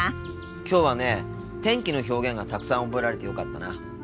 きょうはね天気の表現がたくさん覚えられてよかったな。